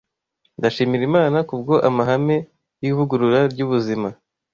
Ndashimira Imana kubwo amahame y’ivugurura ry’ubuzima.